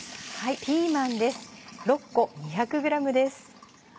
ピーマンです。